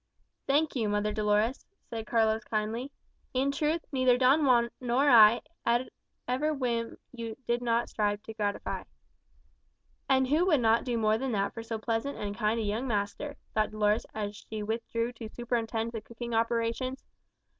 "Thank you, mother Dolores," said Carlos kindly. "In truth, neither Don Juan nor I had ever whim yet you did not strive to gratify." "And who would not do more than that for so pleasant and kind a young master?" thought Dolores, as she withdrew to superintend the cooking operations.